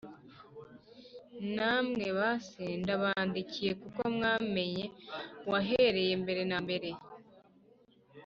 Namwe ba se, ndabandikiye kuko mwamenye uwahereye mbere na mbere.